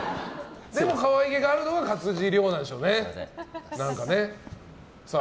でも可愛げがあるのが勝地涼なんでしょうね。